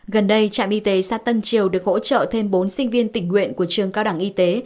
gần đây trạm y tế xã tân triều được hỗ trợ thêm bốn sinh viên tình nguyện của trường cao đẳng y tế